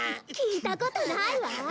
聞いたことないわ。